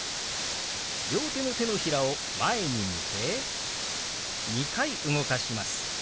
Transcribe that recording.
両手の手のひらを前に向け２回動かします。